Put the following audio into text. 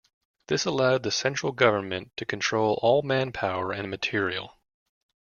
This allowed the central government to control all manpower and material.